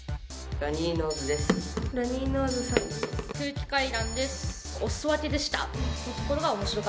ラニーノーズです。